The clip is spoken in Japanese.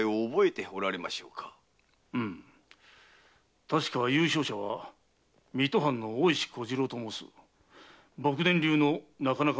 うむ確か優勝者は水戸藩の大石小次郎と申す卜伝流のなかなかの使い手であったな。